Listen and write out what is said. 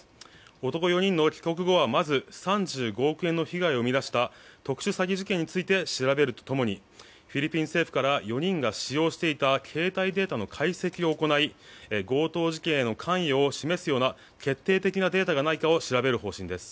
男４人の帰国後はまず３５億円の被害を生み出した特殊詐欺事件について調べると共にフィリピン政府から４人が使用していた携帯データの解析を行い強盗事件への関与を示すような決定的なデータがないか調べる方針です。